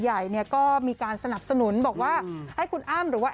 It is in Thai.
ใหญ่เนี่ยก็มีการสนับสนุนบอกว่าให้คุณอ้ำหรือว่า